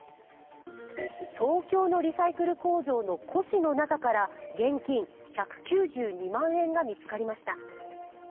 東京のリサイクル工場の古紙の中から現金１９２万円が見つかりました。